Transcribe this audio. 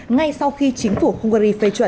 ngay sau khi chính phủ hungary phê chuẩn